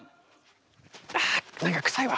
あ何か臭いわ。